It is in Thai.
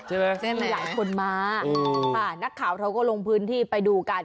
ใช่ไหมใช่ไหมใช่ไหมอีกหลายคนมาค่ะนักข่าวเขาก็ลงพื้นที่ไปดูกัน